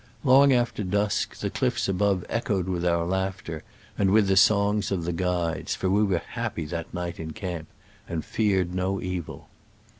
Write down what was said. Long after dusk the cliffs abbve echoed with our laughter and with the songs of the guides, for we were hap py that night in camp, and feared no evil.